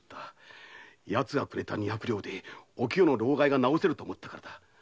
奴がくれた二百両でおきよの労咳が治せると思ったからだ。